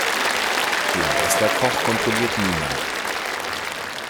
Den Meisterkoch kontrolliert niemand.